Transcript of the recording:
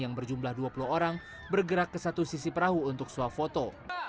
yang berjumlah dua puluh orang bergerak ke satu sisi perahu untuk swafoto